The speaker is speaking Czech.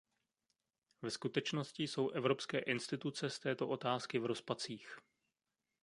Ve skutečnosti jsou evropské instituce z této otázky v rozpacích.